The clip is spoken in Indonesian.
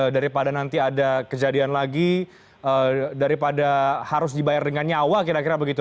daripada nanti ada kejadian lagi daripada harus dibayar dengan nyawa kira kira begitu